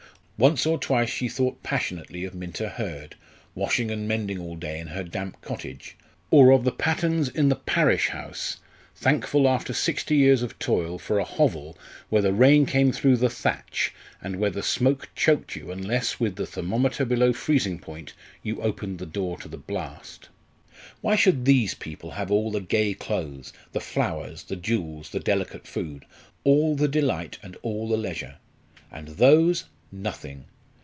Once or twice she thought passionately of Minta Hurd, washing and mending all day, in her damp cottage; or of the Pattons in "the parish house," thankful after sixty years of toil for a hovel where the rain came through the thatch, and where the smoke choked you, unless, with the thermometer below freezing point, you opened the door to the blast. Why should these people have all the gay clothes, the flowers, the jewels, the delicate food all the delight and all the leisure? And those, nothing!